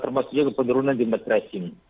karena termasuk juga penurunan jumlah tracing